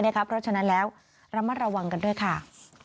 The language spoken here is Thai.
เพราะฉะนั้นแล้วระมัดระวังกันด้วยค่ะ